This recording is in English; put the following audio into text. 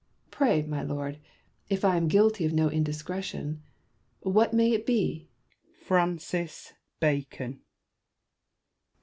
Pray, my Lord, if I am guilty of no indiscretion, what may it be ? Bacon.